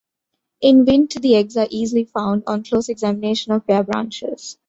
In winter the eggs are easily found on close examination of bare branches.